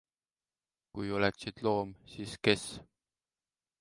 Kui oleksid loom, siis kes?